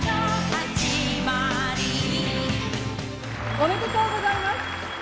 おめでとうございます。